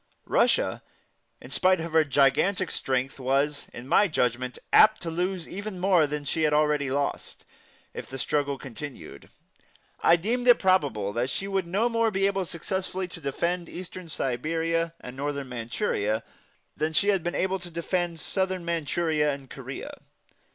Russia, in spite of her gigantic strength, was, in my judgment, apt to lose even more than she had already lost if the struggle continued. I deemed it probable that she would no more be able successfully to defend Eastern Siberia and Northern Manchuria than she had been able to defend Southern Manchuria and Korea.